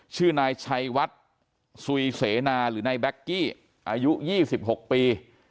ชื่อนายชัยวัดสุยเสนาหรือนายแก๊กกี้อายุ๒๖ปี